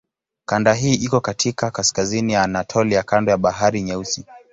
Kanda hii iko katika kaskazini ya Anatolia kando la Bahari Nyeusi.